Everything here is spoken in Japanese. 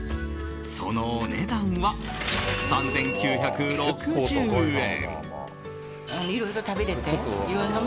そのお値段は、３９６０円。